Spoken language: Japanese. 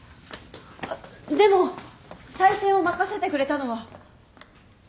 でも採点を任せてくれたのは。